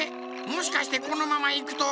もしかしてこのままいくと。